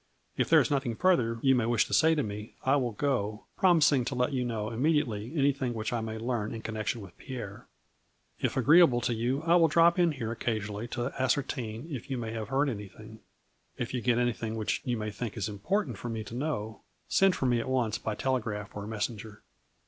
If there is nothing further you may wish to say to me, I will go, promising to let you know immediately anything which I may learn in connection with Pierre. If agreeable to you, I will drop in here occasionally to ascertain if 136 A FLURRY IN DIAMONDS. you may have heard anything. If you get any thing which you may think it important for me to know, send for me at once by telegraph or messenger.